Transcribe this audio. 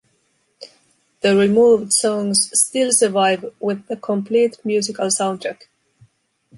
The removed songs still survive with the complete musical soundtrack.